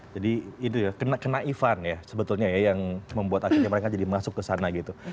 jadi itu ya kena kena ivan ya sebetulnya ya yang membuat akhirnya mereka jadi masuk ke sana gitu